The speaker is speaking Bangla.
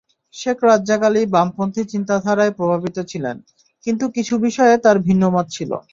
শেখ রাজ্জাক আলী বামপন্থী চিন্তাধারায় প্রভাবিত ছিলেন, কিন্তু কিছু বিষয়ে তাঁর ভিন্নমত ছিল।